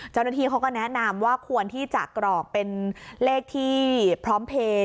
เจ้าหน้าที่เขาก็แนะนำว่าควรที่จะกรอกเป็นเลขที่พร้อมเพลย์